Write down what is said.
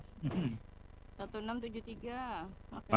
satu enam tujuh tiga